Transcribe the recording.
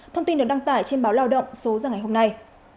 thông tin được đăng tải trên báo lao động số ra ngày hôm nay